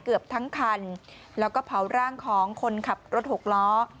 เกือบทั้งคันแล้วก็เผาร่างของคนขับรถหกล้อ